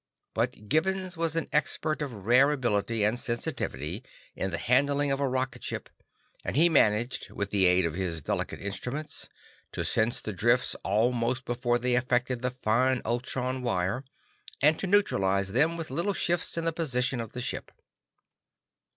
But Gibbons was an expert of rare ability and sensitivity in the handling of a rocket ship, and he managed, with the aid of his delicate instruments, to sense the drifts almost before they affected the fine ultron wire, and to neutralize them with little shifts in the position of the ship.